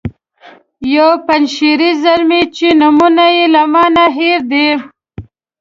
یو پنجشیری زلمی چې نومونه یې له ما نه هیر دي.